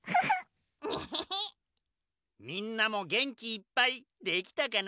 みんなもげんきいっぱいできたかな？